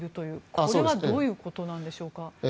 これはどういうことなんでしょうか。